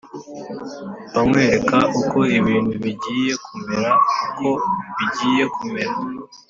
mba nkwereka uko ibintu bigiye kumera, uko bigiye kumera.